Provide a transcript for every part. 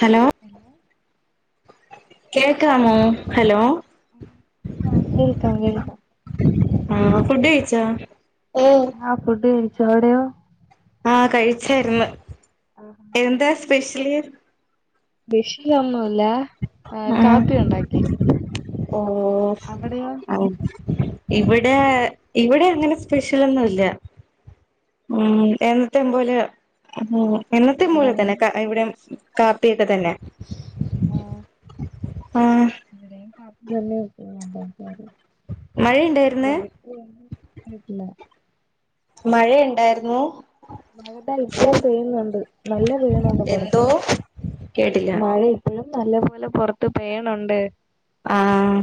Hello കേക്കാമോ hello ആഹ് കേൾക്കാം കേൾക്കാം ആഹ് ഫുഡ് കഴിച്ചോ ആഹ് ഫുഡ് കഴിച്ചു അവിടെയോ ആഹ് കഴിച്ചായിരുന്നു എന്താ സ്പെഷ്യല് സ്പെഷ്യലൊന്നുമില്ല ആഹ് കാപ്പിയുണ്ടാക്കി ഓഹ് ആഹ് ഇവിടെ ഇവിടെ അങ്ങനെ സ്പെഷ്യൽ ഒന്നുല്ല ഉം എന്നത്തേയും പോലെ എന്നത്തെ പോലെ തന്നെ ഇവിടെങ്ങനെ ഇവിടെയും കാപ്പിയൊക്കെ തന്നെ ആഹ് ആഹ് ഇവിടേം കാപ്പി തന്നെ [unintelligible] മഴേണ്ടാര്ന്ന് [unintelligible] കേട്ടില്ല മഴേണ്ടാരുന്നു മഴതാ ഇപ്പോഴും പെയ്യുന്നുണ്ട് നല്ല പെയ്യുന്നുണ്ട് എന്തോ പുറത്ത് കേട്ടില്ല മഴെ ഇപ്പഴും നല്ല പോലെ പുറത്ത് പെയ്യണുണ്ട് ആഹ്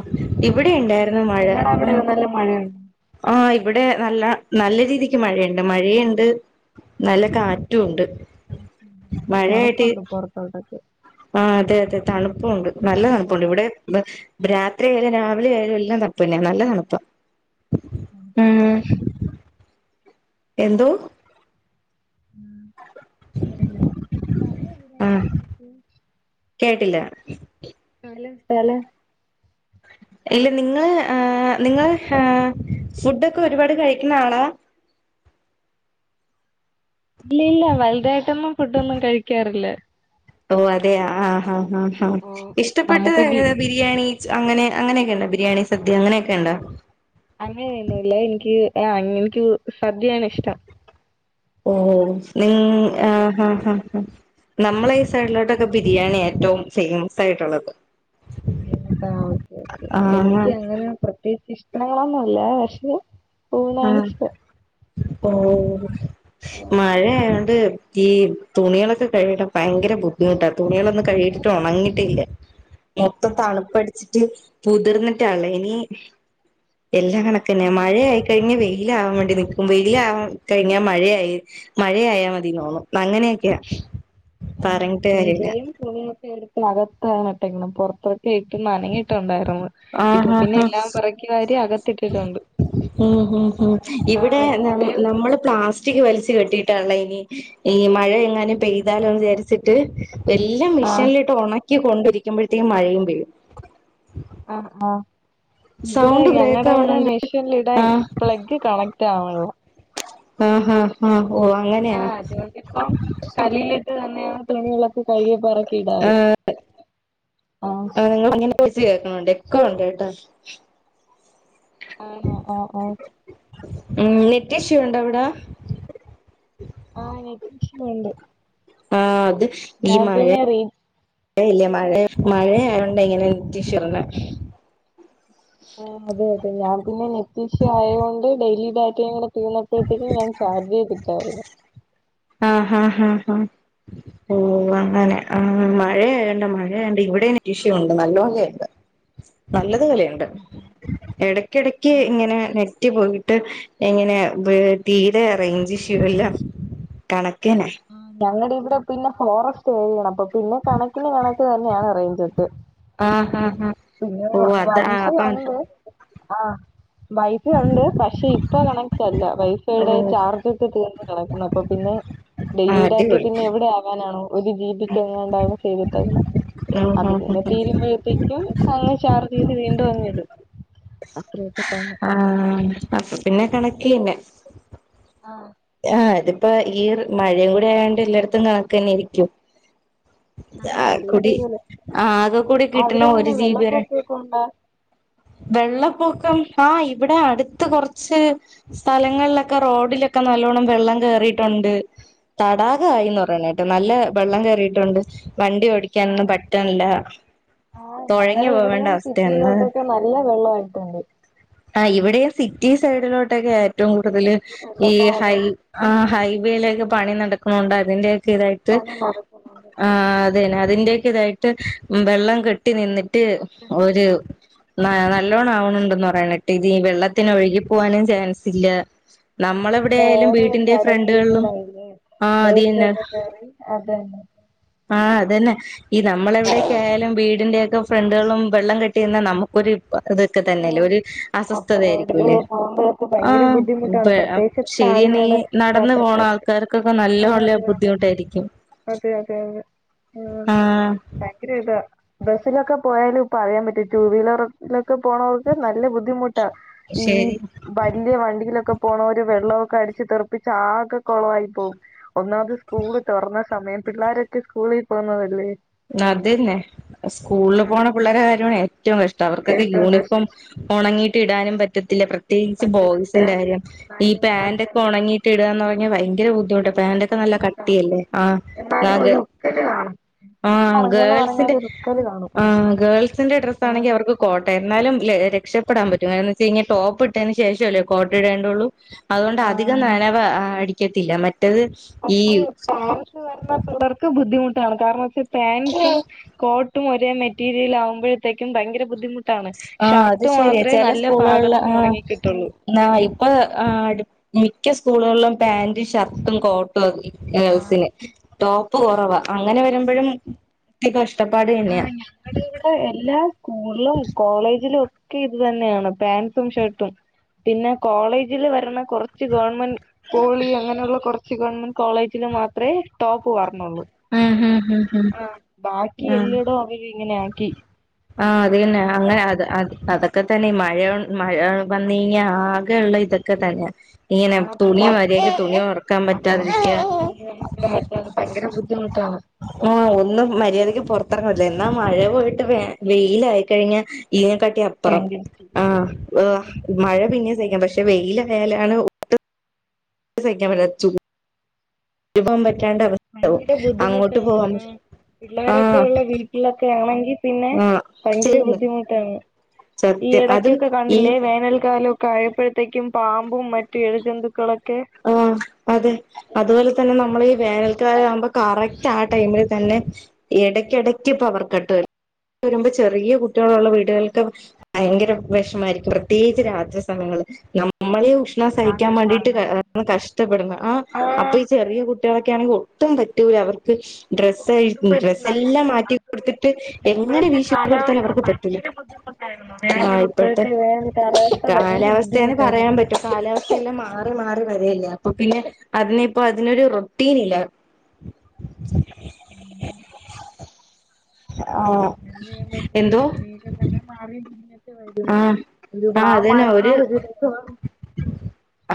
ഇവിടെ ഇണ്ടാരുന്നു മഴ നിങ്ങടെ അവിടെയോ ആഹ് നല്ല മഴയുണ്ടോ ആഹ് ഇവിടെ നല്ല നല്ല രീതിക്ക് മഴേണ്ട് മഴെയുണ്ട് നല്ല കാറ്റും ഉണ്ട് നല്ല മഴയായിട്ട് തണുപ്പുണ്ട് [unintelligible] ആഹ് അതെ അതെ തണുപ്പുഒണ്ട് നല്ല തണുപ്പുണ്ട് ഇവിടെ ദാ രാത്രിയാലും രാവിലെ ആയാലും എല്ലാം തണുപ്പന്നെ നല്ല തണുപ്പ [unintelligible] എന്തോ ഉം അല്ല സ്ഥലം ആഹ് എവിട്ടരുന്നു ചേച്ചി കേട്ടില്ല സലം സ്ഥലം ഇല്ല നിങ്ങള് ആഹ് നിങ്ങള് ആഹ് ഫുഡൊക്കെ ഒരുപാട് കഴിക്കുന്ന ആളാ ഇല്ല ഇല്ല വലുതായിട്ടൊന്നും ഫുഡൊന്നും കഴിക്കാറില്ല ഓഹ് അതെയ ആഹ് ആഹ് ആഹ് ആഹ് ഓ ഇഷ്ടപ്പെട്ടത് നമുക്കൊക്കെ ഏത് ബിരിയാണി ച്ച് അങ്ങനെ അങ്ങനെക്കെണ്ട ബിരിയാണി സദ്യ അങ്ങനെക്കെണ്ട അങ്ങനെ ഒന്നുംല്ല എനിക്ക് ആഹ് എനിക്ക് സദ്യയാണ് ഇഷ്ടം ഓഹ് നിങ്ങ് ഓ ആഹ് ആഹ് ആഹ് ആഹ് നമ്മള ഈ സൈഡിലോട്ടൊക്കെ ബിരിയാണിയ ഏറ്റവും ഫേമസ് ആയിട്ടുള്ളത് ഏങ്ങ് താ ഓക്കേ ഓക്കേ ആഹ് എനിക്ക് അങ്ങന പ്രത്യേകിച്ച് ഇഷ്ടങ്ങളൊന്നുംല്ല പക്ഷെ ഊണാ ഇഷ്ട ഓഹ് ഓ മഴയായോണ്ട് ഈ തുണികളൊക്കെ കഴികിടാൻ ഭയങ്കര ബുദ്ധിമുട്ടാ തുണികളൊന്നും കഴികിട്ടിട്ട് ഉണങ്ങിട്ടില്ല [inaudible] മൊത്തം തണുപ്പടിച്ചി ച്ചിട്ട് കുതിർന്നിട്ടാള്ളെ ഇനി എല്ലാം കണക്കന്നെ ആ മഴയായി കഴിഞ്ഞ വെയിലാവാൻ വേണ്ടി നിക്കും വെയിലാവാ കഴിഞ്ഞാ മഴയായി മഴയായാ മതിന്ന് തോന്നും അങ്ങനെക്കെയ ആഹ് പെയ്ത്കയും തുണിയൊക്കെ എടുത്ത് അകത്താണിട്ടെക്കണെ പൊർത്തൊക്കെ ഇട്ട് നനഞ്ഞിട്ടുണ്ടാരുന്ന് ഇപ്പൊ ആഹ് പിന്നെ ആഹ് എല്ലാം പെറക്കി വാരി അകത്തിട്ടിട്ടുണ്ട് ഹും ഹും ഹും ആ ഇവിടെ നം ഇപ്പഴേ നമ്മള് പ്ലാസ് റ്റിക്ക് വലിച്ചു കെട്ടിയിട്ടാള്ള ഇനി ഈ മഴ എങ്ങാനം പെയ്താലോന്ന് വിചാരിച്ചിട്ട് എല്ലം ആ മിഷീൻലിട്ട് ഉണക്കി കൊണ്ടി രിക്കുമ്പഴത്തേനും മഴയും പെയ്യും അഹ് ആഹ് ഇവിടെ സൗണ്ട് ബ്രേക്ക് ഞങ്ങടെവിടെ ആവണണ്ട് മിഷീൻലിടാൻ ആഹ് പ്ലഗ്ഗ് കണക്ട് ആവൺല്ല ആഹ് ഹാ ഹാ ഓഹ് അങ്ങനെയാ ഇത് തന്നെയാ തുണികളൊക്കെ കഴുകി പെറക്കി ഇടാറ് ആഹ് നിങ്ങള് അങ്ങനെ പ്പച്ച് കേക്കണ്ണ്ട് എക്കോ ഉണ്ട് കെട്ടാ ആഹ് ആഹ് ആഹ് ആഹ് ഉം നെറ്റിഷ്യു ഉണ്ടവിട ആഹ് നെറ്റ് ഷ്യു ഒണ്ട് ആഹ് അത് ഈ മഴേ പിന്നെ റീ ഴ ഇല്ലേ മഴ മഴയായോണ്ട ഇങ്ങനെ നെറ്റിഷ്യു വന്നെ ആഹ് അതെ അതെ. ഞാൻ പിന്നെ നെറ്റി ഷ്യു ആയോണ്ട് ഡെയ്ലി ഡാറ്റയും കൂടെ തീർന്ന പ്പഴത്തേക്കും ഞാൻ ചാർജ് ചെയ്തിട്ടായിരു. ആഹ് ഹാ ഹാ ഹാ ഹാ ഓ.. അങ്ങനെ ആ മഴയായോണ്ട മഴയായോണ്ട് ഇവിടെയും നെറ്റിഷ്യു ണ്ട് നല്ലോം കേക്ക നല്ലതു വലയുണ്ട്. എടകക്കെടക്ക് ഇങ്ങനെ നെറ്റ് പോയിട്ട്. എങ്ങനെ ബ് തീരെ റേഞ്ച് ഇഷ്യൂ എല്ലാം. കണക്കന്നെ. ഞങ്ങടെ ഇവിടെ പിന്നെ ഫോറസ്റ്റ് ഏരിയാണ്, അപ്പൊ പിന്നെ കണക്കിന് കണക്ക് തന്നെയാണ് റൈഞ്ചക്കെ. ആഹ് ഹാ ഹാ പിന്നെ വൈഫൈ ഒണ്ട് ആ വൈഫൈ ഉണ്ട് പക്ഷെ ഇപ്. ഇപ്പ കണക്ടല്ല. ഓ വൈഫൈയുടെ ചാർജൊക്കെ തീർന്ന് കടക്കണപ്പൊ പിന്നെ ആ ഡെയിലി ഡാറ്റ അടിപൊളി പിന്നെ എവിടെ ആവാനാണോ ഒരു ജീബിക്ക് എങ്ങാണ്ടാണ് ചെയ്തിട്ടെക്കണേ അത് ആഹ് പിന്നെ തീൽ മെഴുത്തിക്കും അ ചാർജെയ്ത് വീണ്ടുഅങ്ങിടും അത്രയൊക്കെ തന്നെ. ആഹ് അപ്പ പിന്നെ കണക്കിയന്നെ. ആഹ് ആഹ് തിപ്പോ ഈ മഴയും കൂടി ആയാണ്ട് എല്ലായിടത്തും കണക്കന്നെരിക്കും. ആഹ് എല്ലാടും ഇതാകെകൂടി, ഇതുപോലെ ആകെ കൂടി കിട്ടണ അവിടെ എങ്ങനെ ഒരു ജീബി വരെ. വെള്ളപ്പൊക്കൊക്കെ ഉണ്ടാ വെള്ളപ്പൊക്കം, ആഹ് ഇവിടെ അടുത്ത് കൊർച്ച്. സ്ഥലങ്ങളിലൊക്കെ റോഡില് ക്കെ നല്ലോണ്ണം വെള്ളം കേറിയിട്ടുണ്ട്. തടാകായിന്ന് പറയണേ ക്ക, നല്ല വെള്ളം കേയറിട്ടുണ്ട് വണ്ടിഒ ട്ടിക്കാനൊന്നും ആഹ് പറ്റ്ൺല്ല. ആഹ് തൊഴഞ്ഞ് പോവേണ്ട അവസ്ഥയന്ന്. ല്ല വെള്ളവായിട്ടുണ്ട്. ആ ഇവിടെയും സിറ്റി സൈഡിലോട്ടൊക്കെ ഏറ്റവും കൂടുതൽ ഈ ഹൈ. അതെ ആഹ് ഹൈവേലേക്ക് പണി നടക്കുന്നുണ്ട് അതിന്റെയൊക്കെ ഇതായിട്ട് പണി നടക്കുന്നുണ്ട് ആഹ് തെന്നെ. അതിന്റെയൊക്കെ തായിട്ട് വെള്ളം കെട്ടി നിന്നിട്ട് ഒര് ന നല്ലോണ്ണം ആവണുണ്ടന്ന് പറയ്ണെ ട്ട് ഇതീ ആഹ് വെള്ളത്തിനൊഴുകിപ്പോവാനും ചാൻസില്ല [unintelligible] അടങ്ങിയിരിക്കുന്ന മയില് ആ അത് തന്നെ വേസ്റ്റൊക്കെ കയറി അതന്നെ. ആഹ് അതന്നെ. ഈ നമ്മളെവിടെയെക്കെ ആയാലും വീടിന്റെയൊക്കെ ഫ്രണ്ടുകളും വെള്ളം കെട്ടിനിന്നാ നമുക്കൊരു ഇത് ക്കതന്നെയല്ലേ ഒര് അപ്പൊ അസ്വസ്ഥതയായിരിക്കൂലേ, റോഡിലൂടെ പോകുമ്പോഴൊക്കെ ഭയങ്കര ആഹ് ബുദ്ധിമുട്ടാണ് പ്പേ പ്രത്യേകിച്ച് ശരിയണീ കാൽനട നടന്ന പോണ യാത്രക്കാർക്ക് ആൾക്കാർക്കൊക്കെ നല്ല ആ നല്ല അതെ അതെ ബുദ്ധിമുട്ടായിരിക്കും. അതെ അതെ അതെ. ആഹ് ഭയക്കരിതാ ബസ്സിലൊക്കെ പോയാലും ഇപ്പ അറിയാൻ പറ്റും ടു വീലറിലൊക്കെ പോണവർക്ക് നല്ല ബുദ്ധിമുട്ട് താ ഈ ശരി വലിയ വണ്ടിയിലൊക്കെ പോണോര് വെള്ളമൊക്കെ അടിച്ച് തെറുപ്പിച്ച് ആകെ കുളവായി പോവും. ഒന്നാമത് സ്കൂള് തുറന്ന സമയം പിള്ളേരൊക്കെ സ്കൂളിൽ പോന്നതല്ലേ? അത്ന്നെ സ്കൂളിൽ പോണ പിള്ളേരെ കാര്യമാണ് ഏറ്റവും ഇഷ്ടം അവർക്കൊക്കെ ഏറ്റവും യൂണിഫോം കഷ്ടം ഉണങ്ങിയിട്ട് ഇടാനും പറ്റത്തില്ല പ്രത്യേകിച്ച് പറ്റത്തില്ല ബോയ്സിന്റെ കാര്യം ഈ മാനേജ് അത് പാാന്റ് ഒക്കെ തന്നെ ഉണങ്ങിട്ട് കുട്ടി ഇടുകാന്ന് പറഞ്ഞാ ഭയങ്കര ബുദ്ധിമുട്ട പാന്റൊക്കെ നല്ല കട്ടിയ അല്ലേ ആഹ് നാ കിട്ട്ണോ ആഹ് ഗേൾസിന്റെ കാണും ആഹ് ഗേൾസിന്റെ ഡ്രസ്സ് ആഹ് ആണെങ്കിൽ അവർക്ക് കോട്ടരുന്നാലും രക്ഷപ്പെടാൻ പറ്റും കാരണംന്ന് വെച്ച് ൽ ടോപ്പ് ഇട്ടതിന് ശേഷമല്ലേ കോട്ട ഇടേണ്ടേള്ളൂ. അതുകൊണ്ട് ആഹ് അധികം നനവ് അടിക്കത്തില്ല മറ്റേത് ഈ പക്ഷേ പാൻസ് വരുന്ന പിള്ളേർക്ക് ബുദ്ധിമുട്ടാണ് കാരണം വച്ചാ പാൻസും കോ ട്ടും ഒരേ മെറ്റീരിയലാവുമ്പോഴത്തേക്കും ഭയര ബുദ്ധിമു ട്ടാണ് ആഹ് അത് ഷർട്ട് ശരിയാ മാത്രമേ ചില നല്ല സ്കൂളുകളിൽ പാകത്തിന് ഉണങ്ങി കിട്ടൊള്ളൂ ആഹ് ഇപ്പൊ അടി മിക്ക സ്കൂളുകളിലും പാന്റ് ഷർട്ടും കോട്ടുക്കേ ആഹ് ഗേൾസിന് ടോപ്പ് കുറവ അങ്ങനെ വരുമ്പഴും ഇത്തി കഷ്ടപ്പാട് തന്നെയാ [inaudible] ഇവിടെ എല്ലാ സ്കൂളിലും കോളേജിലും ക്കെ ഇത് തന്നെയാണ് പാൻസും ഷർട്ടും പിന്നെ കോളേജിൽ വരണ കൊറച്ഗവൺമെന്റ് പോളി അങ്ങനെള്ള കൊറ ശീ ഗവൺമെന്റ് കോളേജില് മാത്രെ ടോപ്പ് പറഞ്ഞുള്ളൂ ഉം ഉം ഉം ഉം ആഹ് ബാക്കി ആഹ് എല്ലടോ അവര് ഇങ്ങനെ ആക്കി ആഹ് അതന്നെ അങ്ങനെ ആഹ് അത് അത് അതൊക് ക്കെ തന്നെ മഴ മഴ വന്നു കഴിഞ്ഞാ ആകെള്ള ഇതൊക്കെ തന്നെയാ ഇങ്ങനെ ആ തുണി പിള്ളേർക്ക് അഴെല് ഭയങ്കര തുണി ഒറ ക്കാ പറ്റാതിരിക അത് പയങ്കര ബുദ്ധിമുട്ടാണ് ആ ഒന്ന്‌ മര്യാദക്ക് പുറത്തിറങ്ങപറ്റില്ല എന്നാ മഴ പോയിട്ട് വ വെയിലായിക്കഴിഞ്ഞ ഇയിനെക്കാട്ടിയപ്പറം ഭയങ്കര ചൂട്. ആഹ് ഉം. മഴ പിന്നെ ചൂട് സഹിക്കാം പക്ഷെ വെയിലായാലാണ് സഹിക്കാപറ്റാത്ത ചൂ [inaudible] പറ്റാണ്ടവ പയങ്കര ബുദ്ധിമുട്ടാണ് ആഹ് പിള്ളേരൊക്കെ ആഹ് ഉള്ള വി ട്ടിലൊക്കെ ആണെങ്കി പിന്നെ ആഹ് ഭയങ്കര തീർന്ന് ബുദ്ധിമുട്ടാണ് ഈ സത്യം അതും ഇടക്കൊക്കെ ഈ കണ്ടില്ലേ വേനൽക്കാലോമ് കായപ്പോഴത്തേക്കും പാമ്പും മറ്റു എഴജന്തുക്കളൊക്കെ ആഹ് അതെ അതുപോലെ തന്നെ നമ്മള് ഈ വേനൽക്കാലാകുമ്പോ കറക്റ്റ് ആ ടൈമില് തന്നെ ഇടയ്കിടയ്ക്ക് പവർകട്ട്‌ വരും വരുമ്പോ ചെറികുട്ടികളുള്ളവീടുകൾക്ക്‌ പയങ്കര വെഷമായിരിക്കും പ്രത്യേകിച്ച് രാത്രി സമയങ്ങള് നമ്മളി ഉഷ് ണം രാത്രി സഹിക്കാവേണ്ടിട്ട് സമയങ്ങളിൽ കഷ്ടപ്പെടുന്നു ആഹ് അപ്പൊ ഈ ചെറിയ കു കുട്ടിയോലൊക്കെ ആണെങ്കിഒട്ടും പറ്റൂല അവർക്ക് ഡ്രസ്സ് ഒട്ടും പറ്റില്ല അതല്ല ഡ്രസ്സല്ലാം മാറ്റി അത് കൊടുത്തിട്ട് എങ്ങനെ ഇപ്പോഴത്തെ വീശി കൊടുത്താൻ കാലാവസ്ഥ അവർക്ക് പറ്റൂല്ല ഭയങ്കര ബുദ്ധിമുട്ടായിരുന്നു ആ വേനൽ ഇപ്പഴ്ത്തെ ഇപ്പോഴത്തെ വേനൽ കാലാവസ്ഥ ഭയങ്കര കാലാവസ്ഥയാണ് ബുദ്ധിമുട്ടായിരുന്നു പറയാൻ പറ്റും കാലാവസ്ഥ എല്ലാം മാറി മാറി വരിയല്ലേ അപ്പൊ പിന്നെ അതിനിപ്പോ അതിനൊരു റൊട്ടീനില്ല [inaudible] ഉം ആഹ് എന്തെയാപറ്റും എന്തോ എങ്ങിനെക്കെ തന്നെ മാറിതിരിഞ്ഞും ആഹ് [unintelligible] [inaudible]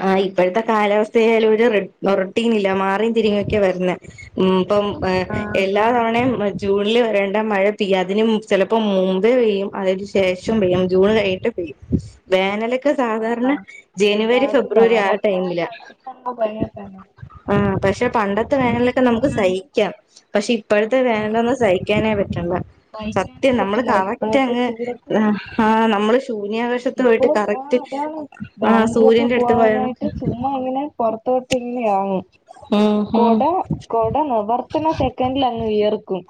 ആഇപ്പഴത്തെ കാലാവസ്ഥയാലും ഒരു റൊ റൊട്ടീനില്ല മാറിയും തിരിഞ്ഞു വെക്കെയാ വരുന്നേ മ്മ് പ്പം ആഹ് എല്ലാ തവണയും മ ജൂണില് വരെണ്ട മയ പെയ്യാതിന് മും ചിലപ്പോം മുമ്പേ പെയ്യും അതിന് ശേഷം പെയ്യും ജൂണ് കയ്ഞ്ഞിട്ടും പെയ്യും വേനലൊക്കെ സാധാരണ ആഹ് ജെനുവരി ഫെബ്രുവരി ആഹ് ടൈമിലാ അങ്ങ് കൊല്ലെത്താന്നോ ആഹ് പഷെ പണ്ടത്തെ വേനലൊക്കെ നമുക്ക് സഹിക്കാം പഷെ ഇപ്പഴത്തെ ആഹ് വേനലൊന്നും സയ് ക്കാനേ പറ്റണ്ല്ല സഹിക്കാനേ സത്യം നമ്മള് പറ്റില്ല ഇപ്പോഴത്തെ കറക്ടങ്ങ് ചൂടത്ത് ആഹ് ആഹ് നമ്മള് ശൂന്യാകാശത്ത് ഇപ്പൊ പോയിട്ട് ആ കറക്റ്റ് അതാണ് ആഹ് സൂര്യന്റടുത്ത് പോയണക്ക് അങ്ങനെ പൊറത്തോട്ടിങ്യാനാണ് ഉം ഉം കൊട കൊടനിവർത്തണ സെക്കന്റിലങ്ങ് വിയർക്കും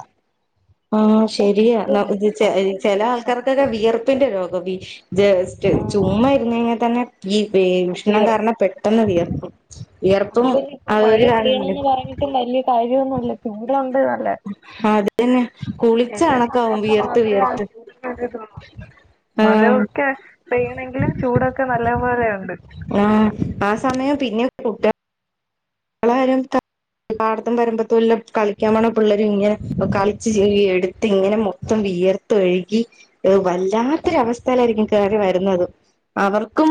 ആഹ് ശെരിയാ ന ഇത് ചെ ഭയങ്കര ബുദ്ധിമുട്ടാണ് ചെലആൾക്കാർക്കൊക്കെ വിയർപ്പിന്റെ രോഗവി ജസ്റ്റ് ആ ചുമ്മാര്ന്നഴിഞ്ഞാ തന്നെ ഈ ഉഷ്ണം കാരണം പെട്ടെന്ന് വിയർക്കും വിയർപ്പും അത്പിന്നെ ഇപ്പം മഴ അതൊരു കാരണല്ലേ പെയ്തെറങ്ങീട്ടും വല്ല്യ കാര്യോന്നുംല്ല ചൂടൊണ്ട് നല്ല അതെന്നെ ചെല സമയത്ത് മാത്രെ ആഹ് ചൂടിന്റൊരിതൊള്ളു ആ മരൊക്കെ പെയ്യണെങ്കിലും ചൂടൊക്കെ നല്ലപോലെണ്ട് ആഹ് ആഹ് സമയം പിന്നേം ഗുഡ്ഡ [unintelligible] പാടത്തും വരുമ്പത്തുല്ല കളിക്കാൻ പോണ പിള്ളേര്ങ്ങനെ ഓ കളിച്ച് ചെയ്യെടുത്ത് ഇങ്ങനെ മൊത്തം വിയർ ത്തൊയ്കി ഒര് വല്ലാത്തൊരവസ്ഥയിലായ്ര്ക്കും കേറി വരുന്നത് അവർക്കും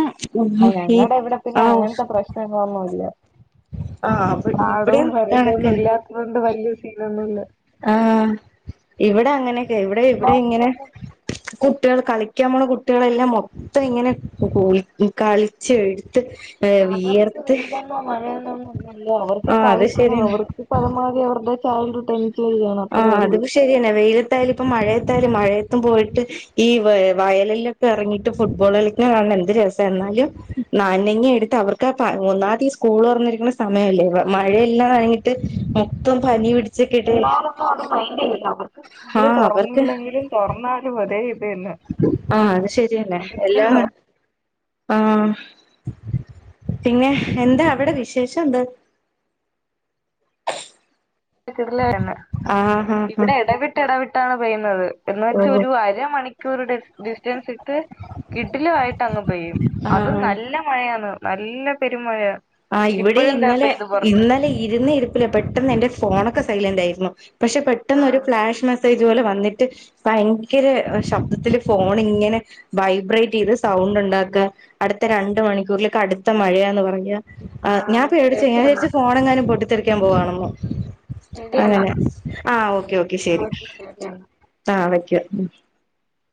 ആഹ് ഈ ഞങ്ങടെവ്ടെ പിന്നെ ആഹ് അങ്ങനത്തെ പ്രശ്നങ്ങളൊന്നുംല്ല ആഹ് പാടോം ഇവിടെയും വരമ്പോന്നും കണക്കന്നെ ഇല്ലാത്തത്കൊണ്ട് വല്ല്യ സീനൊന്നുല്ല ആഹ് ഇവിടാ അങ്ങനെയൊക്കെ ഇവിടെ ഇവിടെ എല്ലാവർക്കും ഇങ്ങനെ ഇപ്പൊ കുട്ടികൾ കളിക്കാൻ പോണ കുട്ട് ട്ടികളെല്ലാം മൊത്തം ഇങ്ങനെ കുളി കളിച്ച് എഴ്‌ത്ത് അവർക്ക് വെയിലന്നോ മഴയൊന്നോ ഒന്നും ഇല്ലല്ലോ അവർക്ക് ആഹ് അത് കളിക്കുന്ന ശരിയാണ് അവർ ഇപ്പൊ അവന്മാര് അവർടെ ചൈൽഡ്ഡുഡ് ആഹ് അത്പ്പോ ശരിയന്നെ വെയിലത്തായാല് ഇപ്പം മഴയത്തായലും മഴയത്തും പോയിട്ട് ഈ വ വയലിലൊക്കെ ഇറങ്ങിട്ട് ഫുട്ബോള് കളിക്കണ കാൺനെന്ത് രസ്സന്നാലും നനഞ്ഞെടുത്തവർക്കാ പ ഒന്നാതി സ്കൂള് തൊറന്നിരിക്ക്ണ സമയല്ലേ വാ മഴയല്ലായ് ട്ട് മൊത്തോം പനി പിടിച്ചക്ക്ട്ട് ആഹ് അത് ഭയങ്കരിതാവർക്ക് ഇത് അവർക്ക് തൊറന്നില്ലെങ്കിലും തൊറന്നാലും ഒരേ ഇതന്നെ ആഹ് അത് ശരിയന്നെ എല്ലാ ആഹ് പിന്നെ എന്താ അവടെ വിശേഷെന്താ കിഡ്ഡിലെണ്ണെ ആഹ് ആഹ് ആഹ് ഇവിടെ എടവിട്ട് എടവിട്ടാണ് പെയ്യുന്നത് ഓ എന്നുവെച്ചൊരു അരമണി ക്കൂർ ഡിസ് ഡിസ്റ്റൻസ്‌ട്ട് കിഡ്ഡില്ലവായ്ട്ടങ്ങ് പെയ്യും അതും ആഹ് നല്ല മഴയാന്ന് നല്ല പെര്മഴയാ ആഹ് ഇവിടേം ഇന്നലെ ഇന്നലെ ഇരുന്ന ഇരിപ്പില പെട്ടെന്നെന്റെ ഫോണൊക്കെ സൈലന്റാരുന്നു പഷെ പെട്ടെന്നൊരു ഫ്ലാഷ് മെസ്സേജ് പോലെ വന്നിട്ട് ഭയ്ങ്കര അഹ് ശബ്ദത്തില് ഫോണിങ്ങനെ വൈബ്രേറ്റ് ചെയ്ത് സൗണ്ട് ഒണ്ടാക്ക്വാ അടുത്ത രണ്ട് മണിക്കൂറില് കട്ത്ത മഴയാന്ന് പറഞ്ഞാ ആ ആഹ് ഞാൻ പേടിച്ച്പോയി ശരി ഞാൻ എന്നാ വിചരിച്ച് ഫോണെങ്ങാനും പൊട്ടിത്തെറിക്കാൻ പോവാണെന്ന് ശരി എന്നാ അതെല്ലെ ആഹ് ഓക്കെ ഓക്കെ ശെരി ശരി എന്നാ ആഹ് വെക്ക്യാ ഉം